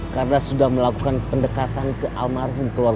karena sudah melakukan pendekatan ke almarhum keluarga